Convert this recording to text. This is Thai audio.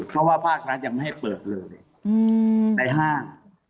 เพราะว่าภาครัฐยังไม่ให้เปิดเลยในห้าง